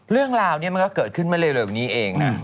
เรื่องราวเนี่ยมันก็เกิดขึ้นเรียบรึงนี้เองนะ